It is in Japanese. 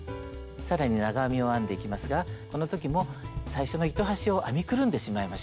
更に長編みを編んでいきますがこの時も最初の糸端を編みくるんでしまいましょう。